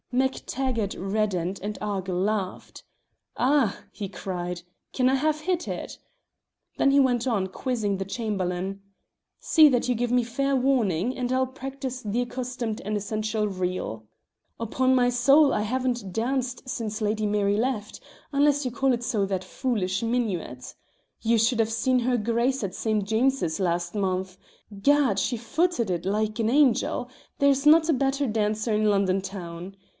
MacTaggart reddened and Argyll laughed, "Ah!" he cried. "Can I have hit it?" he went on, quizzing the Chamberlain. "See that you give me fair warning, and I'll practise the accustomed and essential reel. Upon my soul, I haven't danced since Lady Mary left, unless you call it so that foolish minuet. You should have seen her Grace at St. James's last month. Gad! she footed it like an angel; there's not a better dancer in London town.